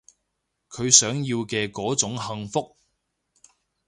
佢想要嘅嗰種幸福